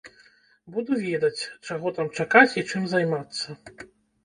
Буду ведаць, чаго там чакаць і чым займацца.